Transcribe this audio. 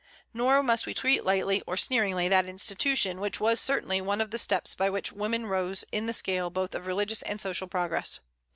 Nor must we treat lightly or sneeringly that institution which was certainly one of the steps by which women rose in the scale both of religious and social progress.